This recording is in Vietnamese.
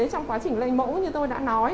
trong quá trình lây mẫu như tôi đã nói